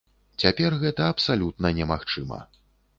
Цяпер гэта абсалютна немагчыма.